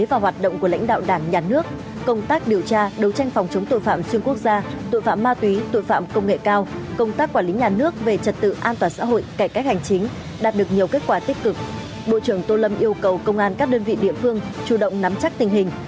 bộ trưởng tô lâm yêu cầu công an các đơn vị địa phương chủ động nắm chắc tình hình